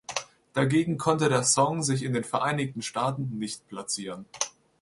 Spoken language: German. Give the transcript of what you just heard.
Dagegen konnte der Song sich in den Vereinigten Staaten nicht platzieren.